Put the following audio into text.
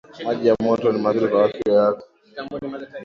Maji ya moto ni mazuri kwa afya yako